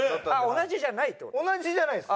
同じじゃないです。